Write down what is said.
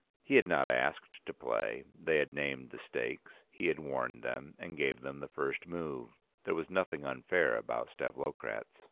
He had not asked to play, they had named the stakes, he had warned them, and gave them the first move; there was nothing unfair about Stavlokratz.